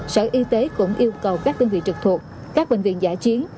sở y tế cũng yêu cầu các đơn vị trực thuộc các bệnh viện giả chiến